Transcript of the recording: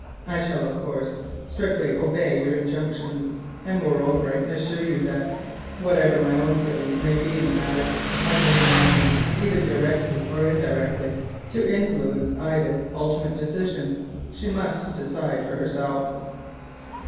I shall, of course, strictly obey your injunctions; and, moreover, I can assure you that, whatever my own feelings may be in the matter, I shall do nothing, either directly or indirectly, to influence Ida's ultimate decision. She must decide for herself."